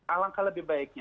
alangkah lebih baiknya